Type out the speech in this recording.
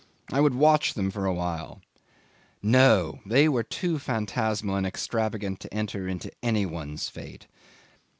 I would watch them for a while. No! They were too phantasmal and extravagant to enter into any one's fate.